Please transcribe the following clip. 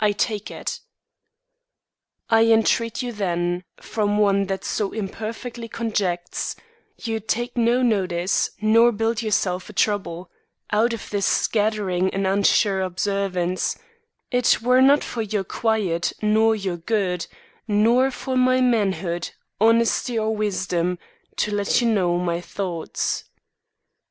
I TAKE IT I entreat you then From one that so imperfectly conjects, You'd take no notice; nor build yourself a trouble Out of his scattering and unsure observance: It were not for your quiet, nor your good, Nor for my manhood, honesty or wisdom, To let you know my thoughts.